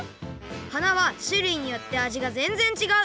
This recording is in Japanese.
花はしゅるいによってあじがぜんぜんちがう。